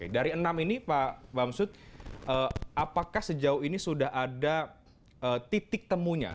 dari enam ini pak bamsud apakah sejauh ini sudah ada titik temunya